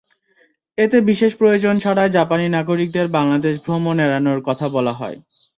এতে বিশেষ প্রয়োজন ছাড়া জাপানি নাগরিকদের বাংলাদেশ ভ্রমণ এড়ানোর কথা বলা হয়।